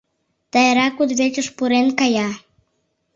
Тайра кудывечыш пурен кая.